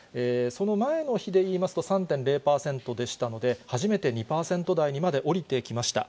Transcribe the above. その前の日でいいますと、３．０％でしたので、初めて２％台にまで下りてきました。